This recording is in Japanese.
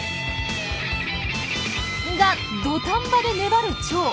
が土壇場で粘るチョウ。